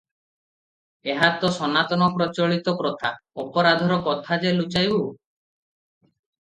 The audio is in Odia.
ଏହା ତ ସନାତନ ପ୍ରଚଳିତ ପ୍ରଥା, ଅପରାଧର କଥା ଯେ ଲୁଚାଇବୁ?